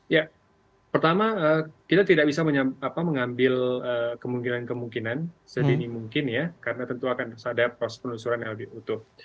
ya pertama kita tidak bisa mengambil kemungkinan kemungkinan sedini mungkin ya karena tentu akan ada proses penelusuran yang lebih utuh